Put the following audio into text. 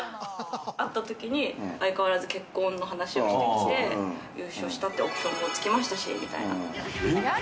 あったときに、相変わらず結婚の話をしてきて、優勝したってオプションもつきましたし、みたいな。